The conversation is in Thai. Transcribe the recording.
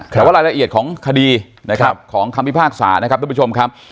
แต่ว่ารายละเอียดของคดีนะครับของคำพิพากษานะครับทุกผู้ชมครับ